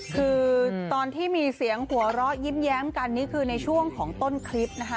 คือตอนที่มีเสียงหัวเราะยิ้มแย้มกันนี่คือในช่วงของต้นคลิปนะคะ